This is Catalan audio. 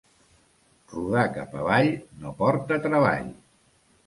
Rodar cap avall no porta treball.